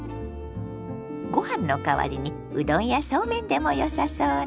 ご飯の代わりにうどんやそうめんでもよさそうね。